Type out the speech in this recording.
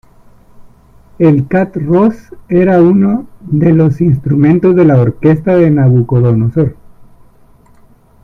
El "qath‧róhs" era uno de los instrumentos de la orquesta de Nabucodonosor.